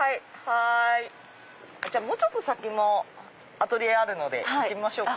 もうちょっと先もアトリエあるので行ってみましょうか。